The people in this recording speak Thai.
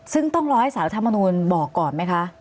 ซึ่งต้องรอให้ศาลธามณูนบอกก่อนไหมคะ